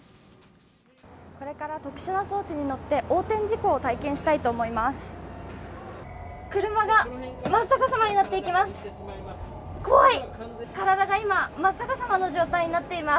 これから特殊な装置に乗って横転事故を体験したいと思います